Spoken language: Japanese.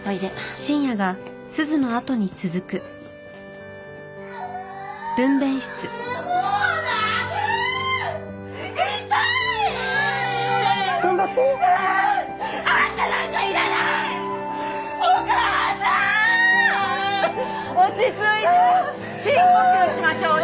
深呼吸しましょうね。